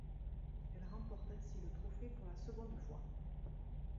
Elle remporte ainsi le trophée pour la seconde fois.